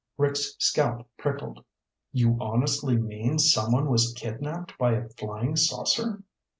Rick's scalp prickled. "You honestly mean someone was kidnaped by a flying saucer?"